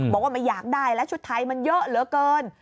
บอกว่าไม่อยากได้แล้วชุดไทยมันเยอะเหลือเกิน